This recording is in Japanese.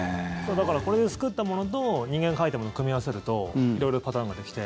これで作ったものと人間が描いたものを組み合わせると色々パターンができて。